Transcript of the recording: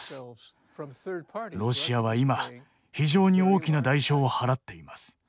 ロシアは今非常に大きな代償を払っています。